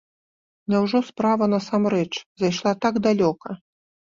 Няўжо справа насамрэч зайшла так далёка?